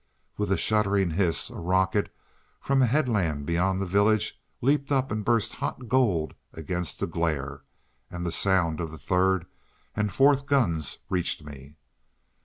With a shuddering hiss, a rocket from a headland beyond the village leapt up and burst hot gold against the glare, and the sound of the third and fourth guns reached me.